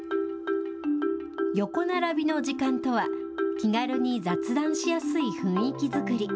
横並びの時間とは、気軽に雑談しやすい雰囲気作り。